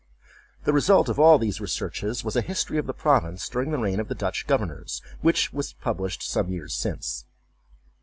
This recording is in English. The result of all these researches was a history of the province during the reign of the Dutch governors, which he published some years since.